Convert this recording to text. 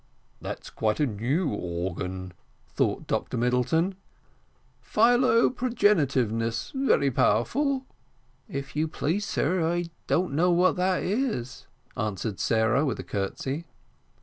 "That's quite a new organ," thought Dr Middleton. "Philo progenitiveness very powerful." "If you please, sir, I don't know what that is," answered Sarah, with a curtsey.